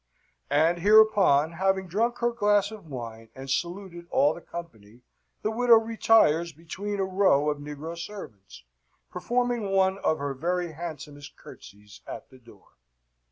And hereupon, having drunk her glass of wine and saluted all the company, the widow retires between a row of negro servants, performing one of her very handsomest curtsies at the door.